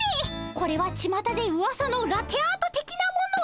これはちまたでうわさのラテアートてきなもの。